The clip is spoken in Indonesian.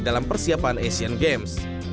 dalam persiapan asian games